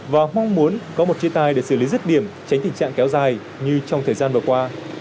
và mong muốn có một chế tài để xử lý rứt điểm tránh tình trạng kéo dài như trong thời gian vừa qua